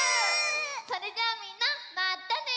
それじゃあみんなまたね！